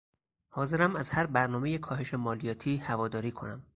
حاضرم از هر برنامهی کاهش مالیاتی هواداری کنم.